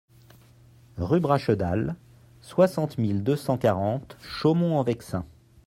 Rue Brachedal, soixante mille deux cent quarante Chaumont-en-Vexin